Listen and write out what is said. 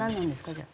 じゃあ。